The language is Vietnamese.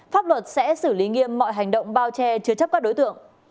pháp luật sẽ xử lý nghiêm mọi hành động bao che chứa chấp các đối tượng